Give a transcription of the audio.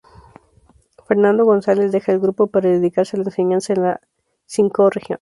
Fernando González deja el grupo para dedicarse a la enseñanza en la V Región.